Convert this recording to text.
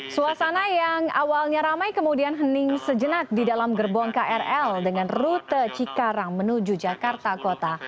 suasana yang awalnya ramai kemudian hening sejenak di dalam gerbong krl dengan rute cikarang menuju jakarta kota